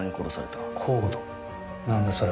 何だそれは。